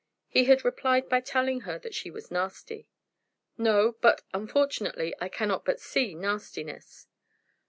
He had replied by telling her that she was nasty. "No; but, unfortunately, I cannot but see nastiness."